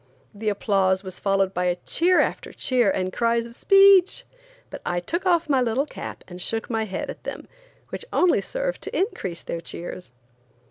The applause was followed by cheer after cheer and cries of "Speech!" but I took off my little cap and shook my head at them, which only served to increase their cheers.